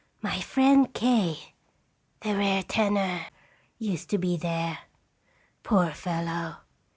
"My friend K , the rare tenor, used to be there. Poor fellow!